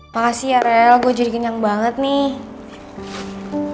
makasih ya rel gue jadi kenyang banget nih